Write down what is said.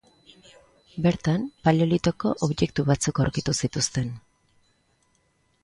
Bertan Paleolitoko objektu batzuk aurkitu zituzten.